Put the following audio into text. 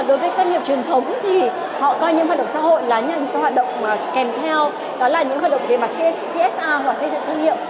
đối với doanh nghiệp truyền thống thì họ coi những hoạt động xã hội là những hoạt động kèm theo đó là những hoạt động về mặt csa hoặc xây dựng thương hiệu